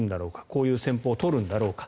こういう戦法を取るんだろうか。